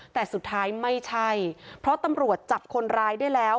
แต่สุดท้ายไม่ใช่เพราะตำรวจจับคนร้ายได้แล้ว